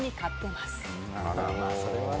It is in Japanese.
まあ、それはね。